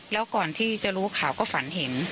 แล้วก่อนที่จะรู้ข่าวก็ฝันเห็น